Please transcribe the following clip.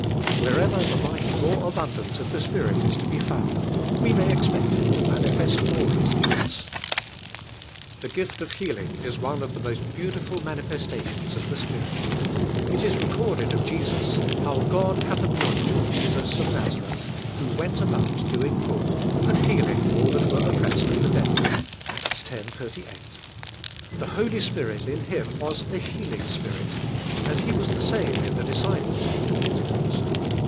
Wherever Hie life more abun dant of the Spirit is to be found, we may expect Him to manifest all His gifts. The ffift of healing is one of (the si beautiful manifestations of the Spirit. It is recorded of Jesus, "how God hath anointed Jesus of Nazareth, who iv™i about doing good, and healing all that weir oppressed of the devil" (Acts x, 38), The Holy Spirit In Him was a healing Spirit, and He was the same in Hie disci pies after Pentecost.